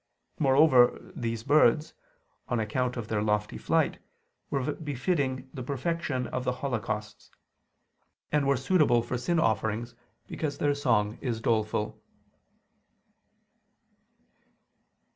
Moreover these birds, on account of their lofty flight, were befitting the perfection of the holocausts: and were suitable for sin offerings because their song is doleful.